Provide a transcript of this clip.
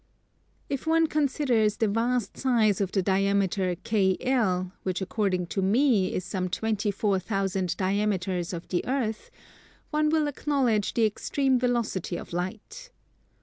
If one considers the vast size of the diameter KL, which according to me is some 24 thousand diameters of the Earth, one will acknowledge the extreme velocity of Light.